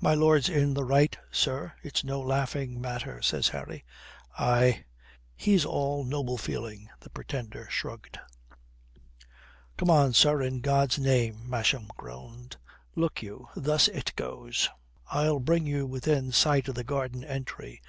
"My lord's in the right, sir. It's no laughing matter," says Harry. "Aye, he's all noble feeling," the Pretender shrugged. "Come on, sir, in God's name," Masham groaned. "Look you, thus it goes. I'll bring you within sight of the garden entry.